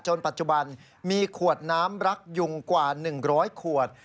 ปัจจุบันมีขวดน้ำรักยุงกว่า๑๐๐ขวด